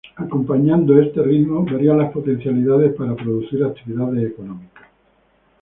Acompañando a este ritmo, varían las potencialidades para producir actividades económicas.